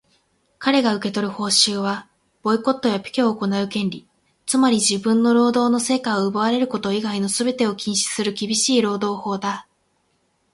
かれが受け取る報酬は、ボイコットやピケを行う権利、つまり自分の労働の成果を奪われること以外のすべてを禁止する厳しい労働法だ。